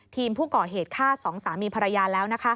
ผู้ก่อเหตุฆ่าสองสามีภรรยาแล้ว